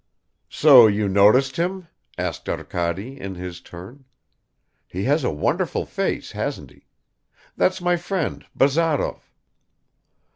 "So you noticed him?" asked Arkady in his turn. "He has a wonderful face, hasn't he? That's my friend Bazarov."